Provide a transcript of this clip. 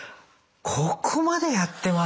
ここまでやってますか。